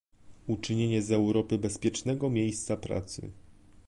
uczynienie z Europy bezpiecznego miejsca pracy